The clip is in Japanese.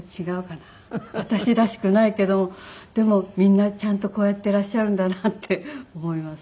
私らしくないけどもでもみんなちゃんとこうやっていらっしゃるんだなって思います。